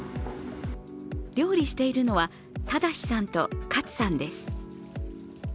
料理しているのはただしさんとかつさんです。